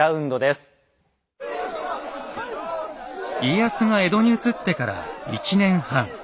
家康が江戸に移ってから１年半。